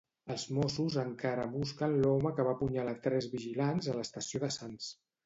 Els Mossos encara busquen l'home que va apunyalar tres vigilants a l'estació de Sants.